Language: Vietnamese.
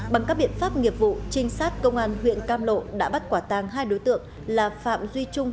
bằng các biện pháp nghiệp vụ trinh sát công an huyện cam lộ đã bắt quả tàng hai đối tượng là phạm duy trung